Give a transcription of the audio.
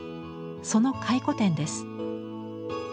その回顧展です。